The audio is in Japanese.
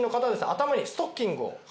頭にストッキングを。